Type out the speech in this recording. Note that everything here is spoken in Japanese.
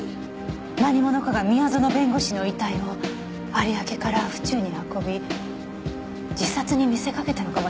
何者かが宮園弁護士の遺体を有明から府中に運び自殺に見せかけたのかもしれません。